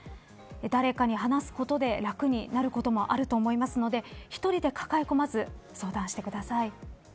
誰かに話すことで楽になることもあると思いますので一人で抱え込まず相談してください。